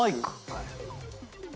はい。